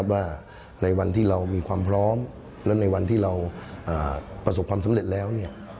ว่าในวันที่เรามีความพร้อมและในวันที่เราประสบความสำเร็จแล้ว